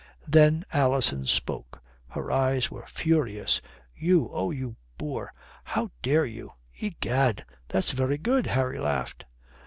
Then Alison spoke. Her eyes were furious. "You oh, you boor! How dare you?" "Egad, that's very good!" Harry laughed.